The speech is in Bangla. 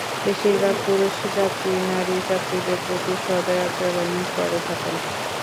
বেশির ভাগ পুরুষ যাত্রী নারী যাত্রীদের প্রতি সদয় আচরণই করে থাকেন।